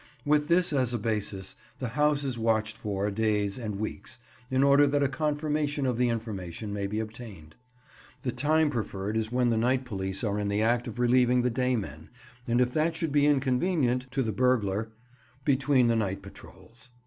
With this as a basis, the house is watched for days and weeks, in order that a confirmation of the information may be obtained. The time preferred is when the night police are in the act of relieving the day men, and if that should be inconvenient (to the burglar), between the night patrols.